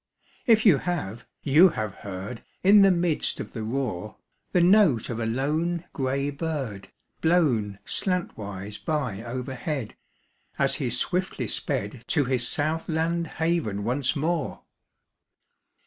If you have, you have heard In the midst of the roar, The note of a lone gray bird, Blown slantwise by overhead As he swiftly sped To his south land haven once more